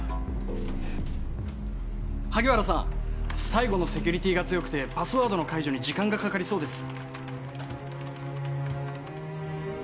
最後のセキュリティーが強くてパスワードの解除に時間がかかりそうです